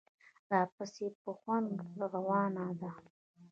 راپسې په خوند روانه ده.